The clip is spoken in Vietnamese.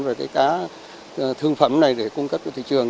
về cái cá thương phẩm này để cung cấp cho thị trường